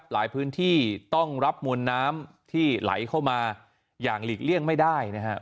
หลายพื้นที่ต้องรับมวลน้ำที่ไหลเข้ามาอย่างหลีกเลี่ยงไม่ได้นะครับ